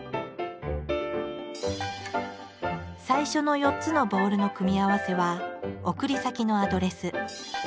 最初の４つのボールの組み合わせは送り先のアドレス。